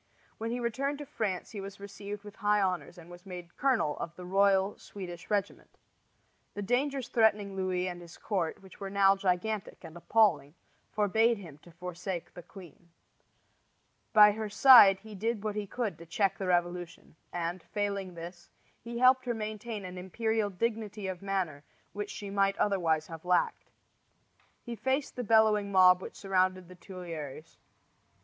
When he returned to France he was received with high honors and was made colonel of the royal Swedish regiment. The dangers threatening Louis and his court, which were now gigantic and appalling, forbade him to forsake the queen. By her side he did what he could to check the revolution; and, failing this, he helped her to maintain an imperial dignity of manner which she might otherwise have lacked. He faced the bellowing mob which surrounded the Tuileries.